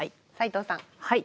はい。